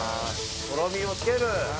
とろみをつける。